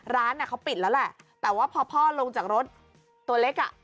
ร้านเขาปิดแล้วแหละแต่ว่าพอพ่อลงจากรถตัวเล็กอ่ะ